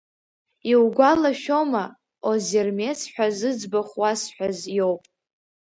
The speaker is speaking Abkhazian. Иугәалашәома, Озермес ҳәа зыӡбахә уасҳәаз иоуп.